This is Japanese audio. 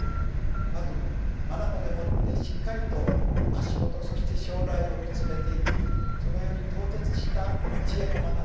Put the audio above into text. まず眼でもってしっかりと足元そして将来を見つめていくそのように透徹した知恵の眼